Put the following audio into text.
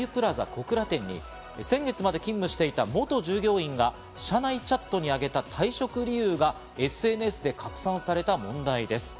小倉店に、先月まで勤務していた元従業員が、社内チャットに挙げた退職理由がＳＮＳで拡散された問題です。